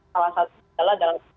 salah satu adalah dalam